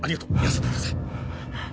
休んでください。